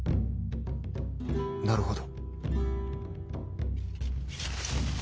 なるほど。